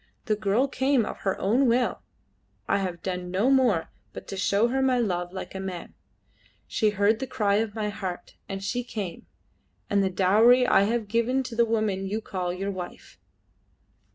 The girl came of her own will. I have done no more but to show her my love like a man; she heard the cry of my heart, and she came, and the dowry I have given to the woman you call your wife."